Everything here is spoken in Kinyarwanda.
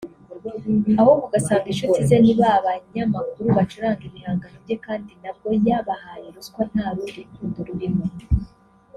ahubwo ugasanga inshuti ze ni ba banyamakuru bacuranga ibihangano bye kandi nabwo yabahaye ruswa nta rundi rukundo rurimo